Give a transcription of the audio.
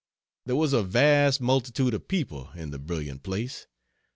There was a vast multitude of people in the brilliant place.